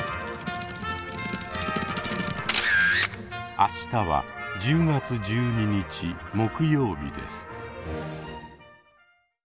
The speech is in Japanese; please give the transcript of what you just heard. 明日は１０月１２日木曜日です。